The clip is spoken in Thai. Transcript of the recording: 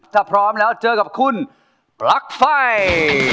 ถ้าพร้อมแล้วเจอกับคุณปลั๊กไฟ